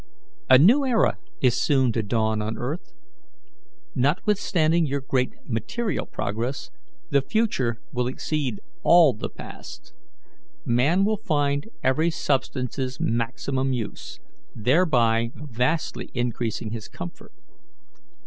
"A new era is soon to dawn on earth. Notwithstanding your great material progress, the future will exceed all the past. Man will find every substance's maximum use, thereby vastly increasing his comfort.